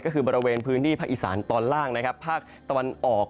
ก็คือบริเวณพื้นที่ภาคอีสานตอนล่างนะครับภาคตะวันออก